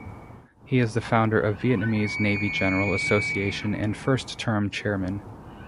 He is the founder of Vietnamese Navy General Association and First Term Chairman.